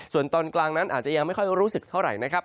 ส่วนตอนกลางนั้นอาจจะยังไม่ค่อยรู้สึกเท่าไหร่นะครับ